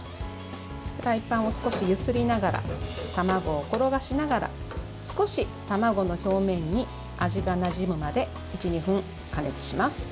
フライパンを少し揺すりながら卵を転がしながら少し、卵の表面に味がなじむまで１２分加熱します。